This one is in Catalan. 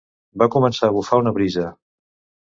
Va començar a bufar una brisa.